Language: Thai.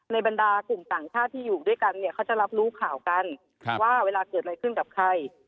บรรดากลุ่มต่างชาติที่อยู่ด้วยกันเนี่ยเขาจะรับรู้ข่าวกันว่าเวลาเกิดอะไรขึ้นกับใคร